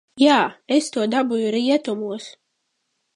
Jā, es to dabūju rietumos.